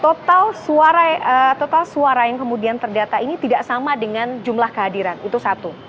total suara yang kemudian terdata ini tidak sama dengan jumlah kehadiran itu satu